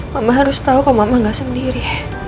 mama harus tahu kok mama gak sendiri